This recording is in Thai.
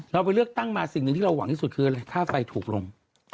เราไปเลือกตั้งมาสิ่งหนึ่งที่เราหวังที่สุดคืออะไรค่าไฟถูกลง